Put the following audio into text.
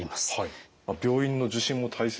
病院の受診も大切です。